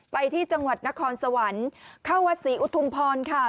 ไปที่จังหวัดนครสวรรค์เข้าวัดศรีอุทุมพรค่ะ